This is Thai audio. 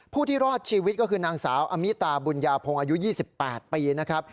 ที่รอดชีวิตก็คือนางสาวอมิตาบุญญาพงศ์อายุ๒๘ปีนะครับ